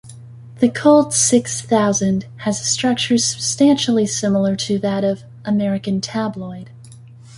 "The Cold Six Thousand" has a structure substantially similar to that of "American Tabloid".